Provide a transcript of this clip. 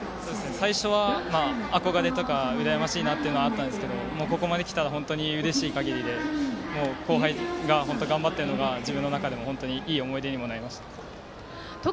最初は憧れとか羨ましいなというのもあったんですがここまできたら本当にうれしいかぎりで後輩が頑張っているのが自分の中でもいい思い出にもなりました。